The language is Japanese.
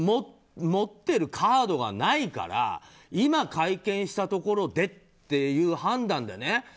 持ってるカードがないから今、会見したところでっていう判断だよね。